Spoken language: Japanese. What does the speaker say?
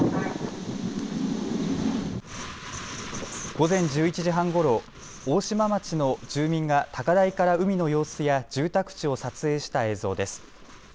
午前１１時半ごろ、大島町の住民が高台から海の様子や住宅地を撮影した映像です。